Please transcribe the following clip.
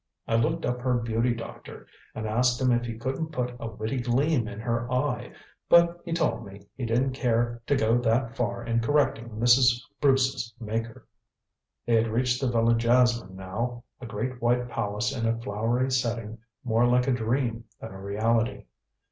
I looked up her beauty doctor and asked him if he couldn't put a witty gleam in her eye, but he told me he didn't care to go that far in correcting Mrs. Bruce's Maker." They had reached the Villa Jasmine now, a great white palace in a flowery setting more like a dream than a reality.